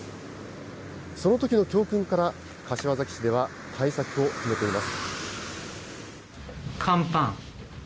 そのときの教訓から、柏崎市では対策を進めています。